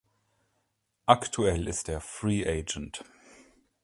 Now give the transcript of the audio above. Aktuell ist er Free Agent.